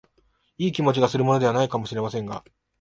いい気持ちがするものでは無いかも知れませんが、